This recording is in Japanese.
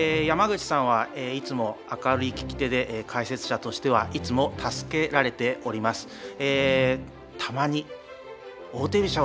山口さんはいつも明るい聞き手で解説者としてはいつも助けられております。